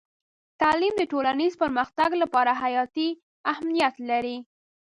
تعلیم د ټولنیز پرمختګ لپاره حیاتي اهمیت لري.